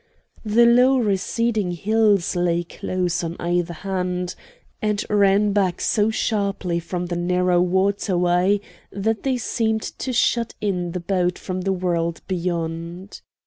The low receding hills lay close on either hand, and ran back so sharply from the narrow waterway that they seemed to shut in the boat from the world beyond.